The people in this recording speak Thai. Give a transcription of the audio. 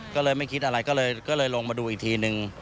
ก็เลยไม่คิดอะไรก็เลยลงมาดูอีกทีนึง